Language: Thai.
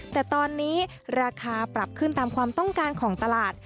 แต่ตอนนี้ราคาปรับขึ้นตามความต้องการของตลาด